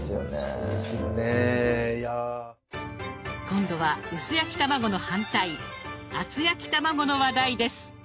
今度は薄焼き卵の反対厚焼き卵の話題です。